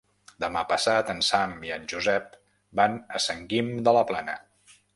Demà passat en Sam i en Josep van a Sant Guim de la Plana.